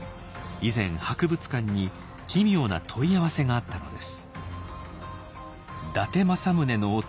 以前博物館に奇妙な問い合わせがあったのです。